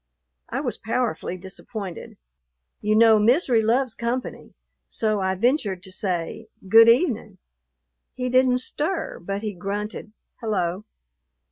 I was powerfully disappointed. You know misery loves company; so I ventured to say, "Good evening." He didn't stir, but he grunted, "Hello."